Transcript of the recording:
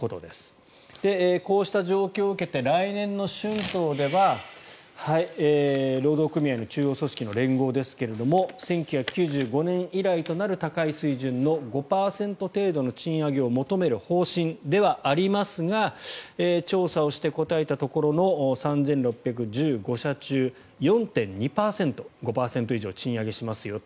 こうした状況を受けて来年の春闘では労働組合の中央組織の連合ですが１９９５年以来となる高い水準の５％程度の賃上げを求める方針ではありますが調査をして答えたところの３６１５社中４．２％５％以上賃上げしますよ